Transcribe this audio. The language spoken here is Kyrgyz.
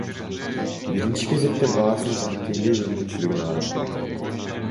Биринчи кезекте баасына жана тейлөө мүмкүнчүлүгүнө караш керек.